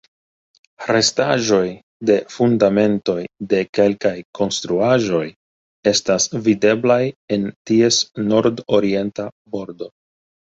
Restaĵoj de fundamentoj de kelkaj konstruaĵoj estas videblaj en ties nordorienta bordo.